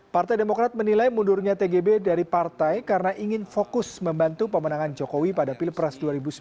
partai demokrat menilai mundurnya tgb dari partai karena ingin fokus membantu pemenangan jokowi pada pilpres dua ribu sembilan belas